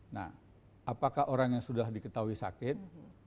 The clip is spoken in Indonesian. nah apakah orang yang sudah diketahui sakit